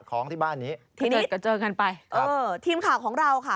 ของที่บ้านนี้ที่นี่ก็เจอกันไปเออทีมข่าวของเราค่ะ